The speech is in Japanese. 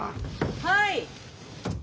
はい。